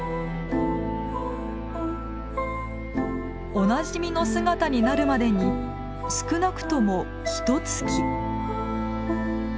おなじみの姿になるまでに少なくともひとつき。